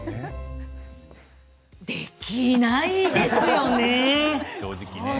できないですよね